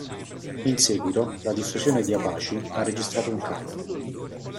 In seguito, la diffusione di Apache ha registrato un calo.